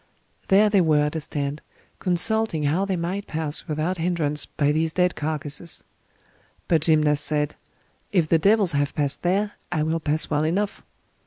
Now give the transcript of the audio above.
There they were at a stand, consulting how they might pass without hindrance by these dead carcasses. But Gymnast said, If the devils have passed there, I will pass well enough.